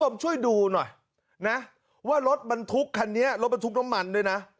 ผมช่วยดูหน่อยนะว่ารถมันทุกคันนี้รถมันทุกน้ำมันด้วยน่ะ